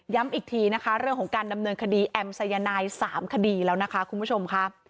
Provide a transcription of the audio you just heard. อีกทีนะคะเรื่องของการดำเนินคดีแอมสายนาย๓คดีแล้วนะคะคุณผู้ชมค่ะ